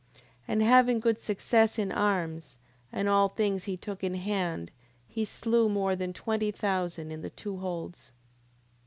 10:23. And having good success in arms, and all things he took in hand, he slew more than twenty thousand in the two holds.